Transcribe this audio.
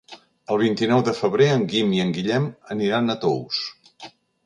El vint-i-nou de febrer en Guim i en Guillem aniran a Tous.